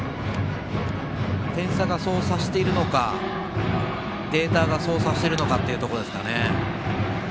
点差がそうさせているのかデータがそうさせているのかっていうところですかね。